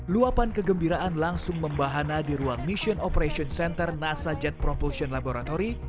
luapan kegembiraan langsung membahana di ruang mission operation center nasa jet propotion laboratory